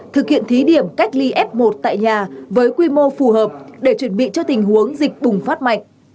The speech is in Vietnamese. thực hiện thí điểm cách ly f một tại nhà với quy mô phù hợp để chuẩn bị cho tình huống dịch bùng phát mạnh